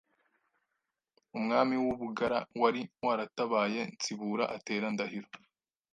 Umwami w’u bugara wari waratabaye Nsibura atera Ndahiro